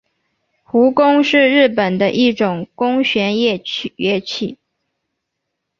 胡弓是日本的一种弓弦乐器。